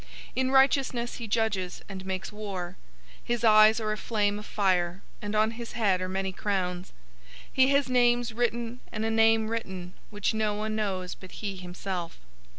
In righteousness he judges and makes war. 019:012 His eyes are a flame of fire, and on his head are many crowns. He has names written and a name written which no one knows but he himself.